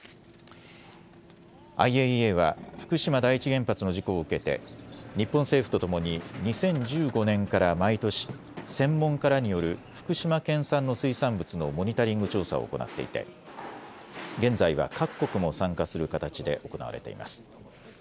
ＩＡＥＡは福島第一原発の事故を受けて日本政府とともに２０１５年から毎年、専門家らによる福島県産の水産物のモニタリング調査を行っていて現在は各国も参加する形で行われています。